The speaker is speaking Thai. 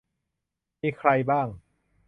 มีใครบ้าง